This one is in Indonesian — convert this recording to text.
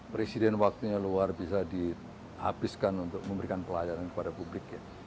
presiden waktunya luar bisa dihabiskan untuk memberikan pelayanan kepada publik